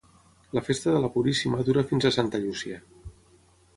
La festa de la Puríssima dura fins a Santa Llúcia.